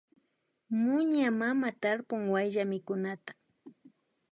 Muña mama tarpun wayllamikunata